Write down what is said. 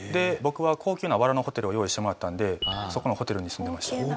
僕は高級なわらのホテルを用意してもらったんでそこのホテルに住んでました。